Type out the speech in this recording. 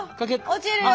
落ちるよ！